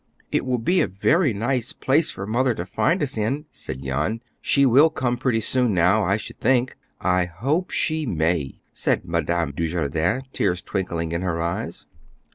"It will be a very nice place for Mother to find us in," said Jan. "She will come pretty soon now, I should think." "I hope she may," said Madame Dujardin, tears twinkling in her eyes.